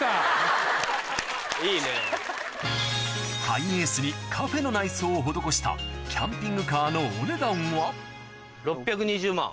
ハイエースにカフェの内装を施したキャンピングカー６２０万。